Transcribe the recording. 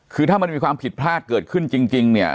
คือถ้ามันมีความผิดพลาดเกิดขึ้นจริงเนี่ย